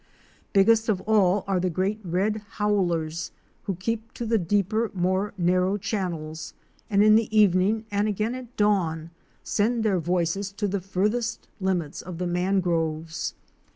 Biggest of all are the great red howlers, who keep to the deeper, more narrow channels, and in the evening and again at dawn send their voices to the farthest limits of the mangroves.